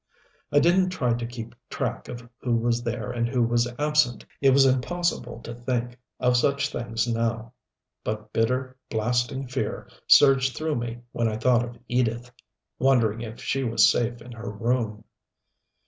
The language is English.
I didn't try to keep track of who was there and who was absent. It was impossible to think of such things now. But bitter, blasting fear surged through me when I thought of Edith wondering if she was safe in her room.